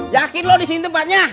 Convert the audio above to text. yakin lo disini tempatnya